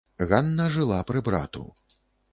Ганна жыла пры брату.